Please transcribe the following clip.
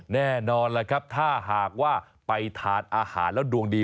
แน่นอนล่ะครับถ้าหากว่าไปทานอาหารแล้วดวงดี